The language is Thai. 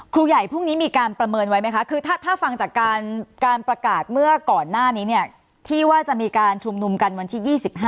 ครูใหญ่พรุ่งนี้มีการประเมินไว้ไหมคะคือถ้าฟังจากการประกาศเมื่อก่อนหน้านี้เนี่ยที่ว่าจะมีการชุมนุมกันวันที่๒๕